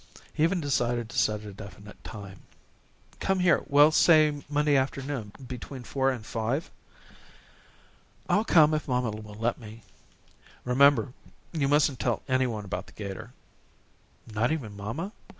He even decided to set a definite time. "Come here well, say Monday afternoon between four and five." "I'll come if mamma will let me." "Remember, you mustn't tell any one about the 'gator." "Not even mamma?"